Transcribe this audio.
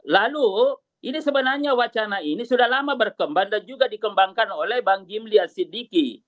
lalu ini sebenarnya wacana ini sudah lama berkembang dan juga dikembangkan oleh bang jimli ya sidiki